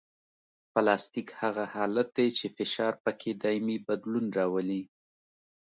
پلاستیک هغه حالت دی چې فشار پکې دایمي بدلون راولي